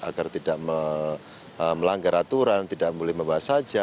agar tidak melanggar aturan tidak boleh membawa saja